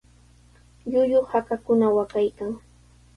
Llullu hakakuna waqaykan.